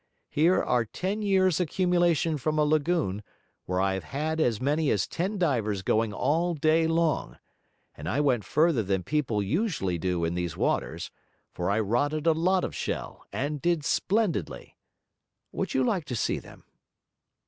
Here are ten years' accumulation from a lagoon, where I have had as many as ten divers going all day long; and I went further than people usually do in these waters, for I rotted a lot of shell, and did splendidly. Would you like to see them?'